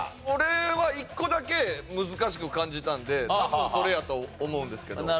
俺は一個だけ難しく感じたんで多分それやと思うんですけど。